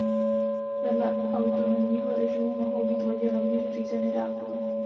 Vedle autonomního režimu mohou být lodě rovněž řízeny dálkově.